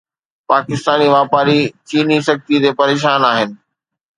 پاڪستاني واپاري چيني سختي تي پريشان آهن